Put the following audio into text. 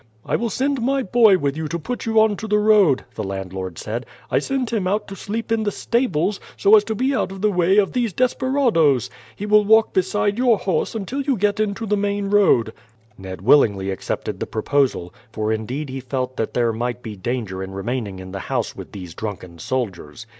"I will send my boy with you to put you on to the road," the landlord said. "I sent him out to sleep in the stables, so as to be out of the way of these desperadoes. He will walk beside your horse until you get into the main road." Ned willingly accepted the proposal, for indeed he felt that there might be danger in remaining in the house with these drunken soldiers.